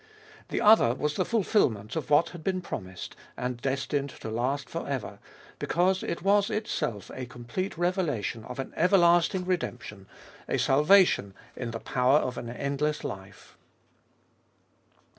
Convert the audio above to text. The other was the fulfilment of what had been promised, and destined to last for ever, because it was itself a complete revelation of an everlasting redemption, of a salvation in the power of an endless life.